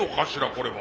これは。